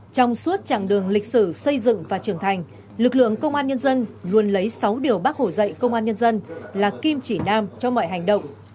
trong suốt chặng đường lịch sử xây dựng và trưởng thành lực lượng công an nhân dân luôn lấy sáu điều bác hồ dạy công an nhân dân là kim chỉ nam cho mọi hành động